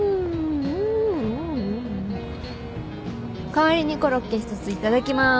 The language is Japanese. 代わりにコロッケ一ついただきます。